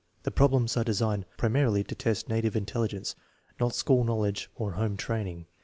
The problems are (Unsigned primarily to test native intelligence, not school knowledge or home training.